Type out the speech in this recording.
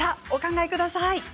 お考えください。